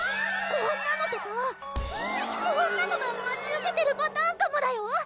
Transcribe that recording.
こんなのとかこんなのが待ち受けてるパターンかもだよ？